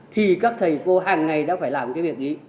thì các thầy cô hàng ngày đã phải làm cái việc ý